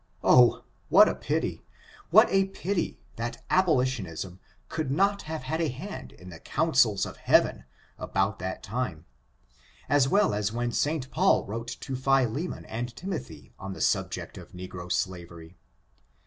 Oh, what a pity ! what a pity that abolitionism could not have had a hand in the councils of Heaven about that time, as well as when St. Paul wrote to Philemon and Timothy on the subject of negro slavery.